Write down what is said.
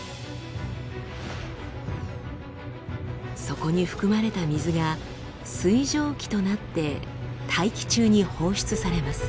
そこに含まれた水が水蒸気となって大気中に放出されます。